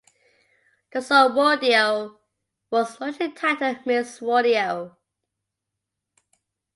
The song 'Rodeo' was originally titled 'Miss Rodeo.